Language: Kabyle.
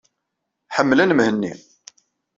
Ḥemmlen Mhenni.